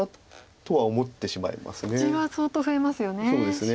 地は相当増えますよね